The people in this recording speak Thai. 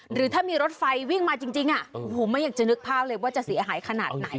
หรือถ้ามีรถไฟวิ่งมาจริงไม่อยากจะนึกภาพเลยว่าจะเสียหายขนาดไหน